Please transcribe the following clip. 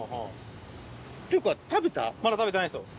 まだ食べてないんですよ。